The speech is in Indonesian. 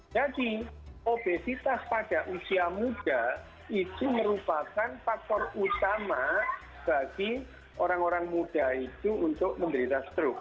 jadi obesitas pada usia muda itu merupakan faktor utama bagi orang orang muda itu untuk memberikan struk